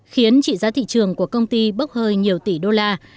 khiến trị giá thị trường của công ty bốc hơi nhiều tỷ đô la